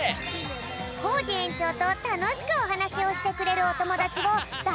コージえんちょうとたのしくおはなしをしてくれるおともだちをだ